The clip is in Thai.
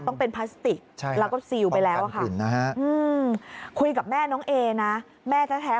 ต้องเป็นพลาสติกแล้วก็ซีลไปแล้วค่ะคุยกับแม่น้องเอนะแม่แท้